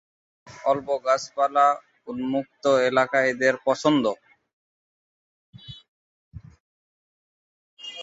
অল্প গাছপালা, উন্মুক্ত এলাকা এদের পছন্দ।